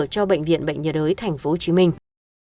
cho bệnh viện bệnh nhiệt đới thành phố hồ chí minh